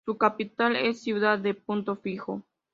Su capital es la ciudad de Punto Fijo.